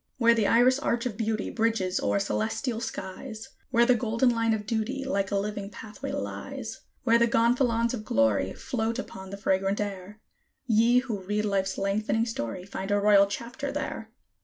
Where the iris arch of Beauty bridges o'er celestial skies, Where the golden line of Duty, like a living pathway lies, Where the gonfalons of Glory float upon the fragrant air, Ye who read Life's lengthening story, find a Royal Chapter there.